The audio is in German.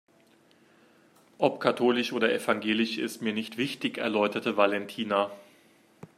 Ob katholisch oder evangelisch ist mir nicht wichtig, erläuterte Valentina.